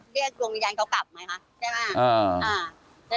เรียกวงลยาลเขากลับไหมคะใช่ไหมห่ะ